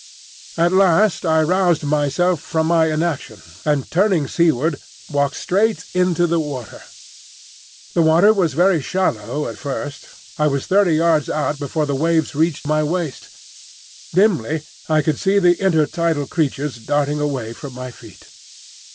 At last I roused myself from my inaction, and turning seaward walked straight into the water. The water was very shallow at first. I was thirty yards out before the waves reached to my waist. Dimly I could see the intertidal creatures darting away from my feet.